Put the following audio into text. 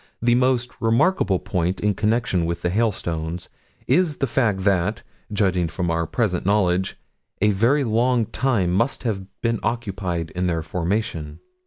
"The most remarkable point in connection with the hailstones is the fact that, judging from our present knowledge, a very long time must have been occupied in their formation."